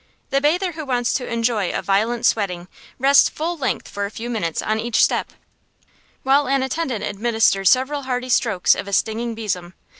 The bather who wants to enjoy a violent sweating rests full length for a few minutes on each step, while an attendant administers several hearty strokes of a stinging besom.